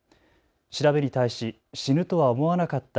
調べに対し死ぬとは思わなかった